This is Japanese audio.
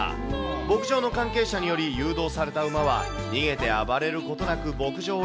牧場の関係者により、誘導された馬は、逃げて暴れることなく牧場へ。